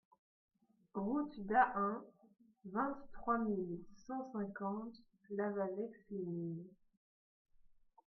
Route d'Ahun, vingt-trois mille cent cinquante Lavaveix-les-Mines